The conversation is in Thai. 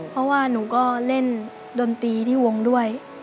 เพราะว่าหนูก็เล่นดนตรีที่วงด้วย